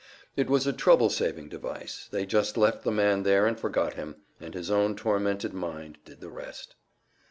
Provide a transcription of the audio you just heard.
It was a trouble saving device; they just left the man there and forgot him, and his own tormented mind did the rest.